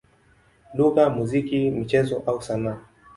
lugha, muziki, michezo au sanaa.